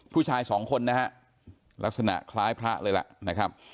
ผู้ชายสองคนนะฮะลักษณะคล้ายพระเลยล่ะนะครับ